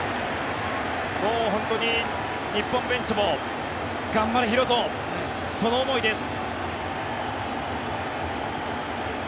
本当に日本ベンチも頑張れ、宏斗その思いです。